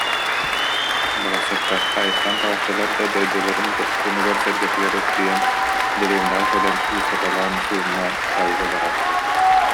Барахсаттар хаайыыттан таҕыстылар да дойдуларын дьонугар-сэргэтигэр өстүйэн, дэриэбинэҕэ кэлэн ыыстаталаан, суумнаан, хаайыыга барааччылар